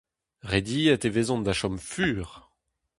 Rediet e vezont da chom fur.